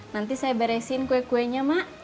nanti saya beresin kue kuenya mak